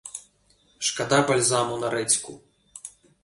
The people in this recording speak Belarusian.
Шкада бальзаму на рэдзьку!